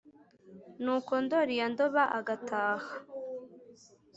Nuko ndori ya Ndoba agataha,